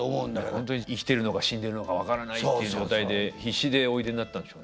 本当に生きてるのか死んでるのか分からないっていう状態で必死でおいでになったんでしょうね。